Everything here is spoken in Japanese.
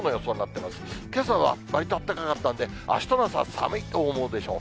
けさはわりとあったかかったんで、あすの朝は寒いと思うでしょう。